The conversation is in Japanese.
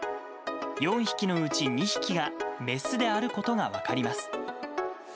４匹のうち２匹がメスであることが分かります。